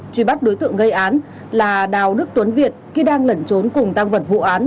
truy bắt đối tượng gây án là đào đức tuấn việt khi đang lẩn trốn cùng tăng vật vụ án